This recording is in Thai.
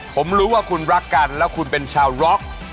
ผมรู้ว่าคุณรักกันแล้วคุณเป็นชาวร็อก